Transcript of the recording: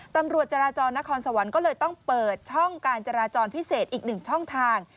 ตำรวจจราจรนครสวรรค์ก็เลยต้องเปิดช่องการจราจรพิเศษอีกหนึ่งช่องทาง